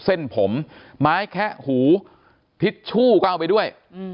เส้นผมไม้แคะหูทิชชู่ก็เอาไปด้วย